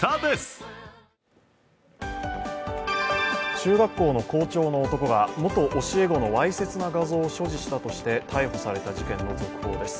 中学校の校長の男が元教え子のわいせつな画像を所持したとして逮捕された男の続報です。